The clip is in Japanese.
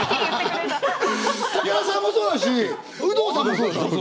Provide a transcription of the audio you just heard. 武田さんもそうだし有働さんもそうですよね。